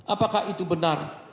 apakah itu benar